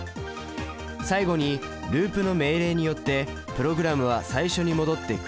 最後にループの命令によってプログラムは最初に戻って繰り返します。